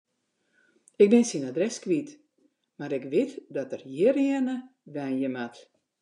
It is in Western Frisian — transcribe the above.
Ik bin syn adres kwyt, mar ik wit dat er hjirearne wenje moat.